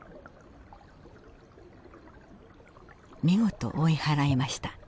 見事追い払いました。